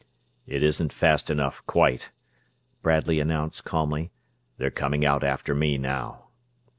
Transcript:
"It isn't fast enough, quite," Bradley announced, calmly. "They're coming out after me now."